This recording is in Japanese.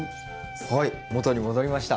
はい元に戻りました。